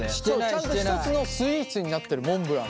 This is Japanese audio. ちゃんと一つのスイーツになってるモンブラン。